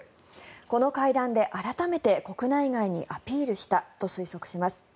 この会談で改めて国内外にアピールしたと推測します。